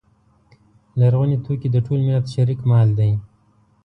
لرغوني توکي د ټول ملت شریک مال دی.